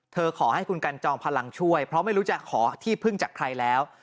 ขอให้คุณกันจอมพลังช่วยเพราะไม่รู้จะขอที่พึ่งจากใครแล้ว